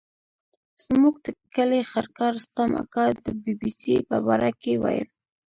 زموږ د کلي خرکار رستم اکا د بي بي سي په باره کې ویل.